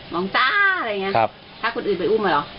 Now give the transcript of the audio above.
น้องจ้าอะไรอย่างนี้ถ้าคนอื่นไปอุ้มอ่ะเหรอ